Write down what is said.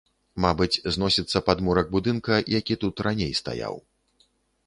Мабыць, зносіцца падмурак будынка, які тут раней стаяў.